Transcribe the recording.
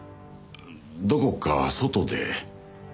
どこか外で。